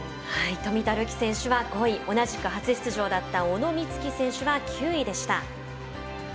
冨田るき選手は５位同じく初出場だった小野光希選手は９位でした。